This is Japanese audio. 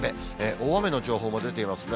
大雨の情報も出ていますね。